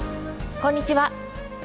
こんにちは。